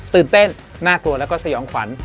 ตื่นเต้นน่ากลัวแล้วก็สยองขวัญ